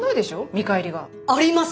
見返りが。あります！